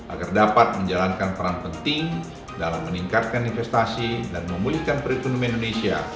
agar dapat menjalankan peran penting dalam meningkatkan investasi dan memulihkan perekonomian indonesia